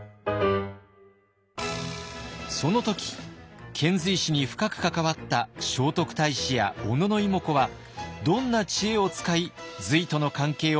その時遣隋使に深く関わった聖徳太子や小野妹子はどんな知恵を使い隋との関係を深めたのか。